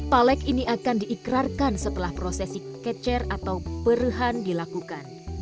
palek ini akan diikrarkan setelah prosesi kecer atau perhan dilakukan